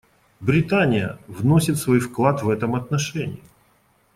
Британия вносит свой вклад в этом отношении.